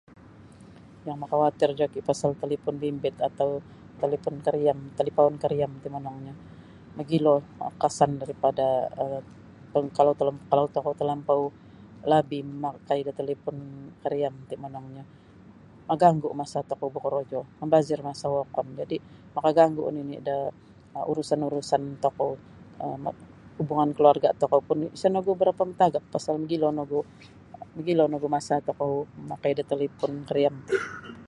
Yang makawatir joki' pasal talipon bimbit atau talipon kariam talipaun kariam ti monongnyo mogilo kesan daripada um kalau kalau tokou talampau labih mamakai da talipon kariam ti monongnyo maganggu' masa tokou bokorojo mambazir masa wokon jadi' makaganggu' nini' da urusan-urusan tokou um hubungan kaluarga' tokou pun isa nogu barapa' matagap pasal mogilo nogu mogilo nogu masa tokou mamakai da talipon kariam ti.